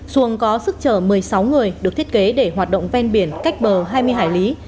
xuồng có sức chở một mươi sáu người được thiết kế để hoạt động ven biển cách bờ hai mươi hải lý